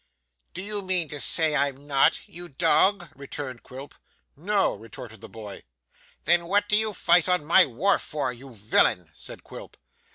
'Do you mean to say, I'm not, you dog?' returned Quilp. 'No!' retorted the boy. 'Then what do you fight on my wharf for, you villain?' said Quilp.